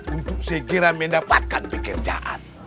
untuk segera mendapatkan pekerjaan